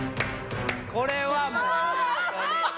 これはもう。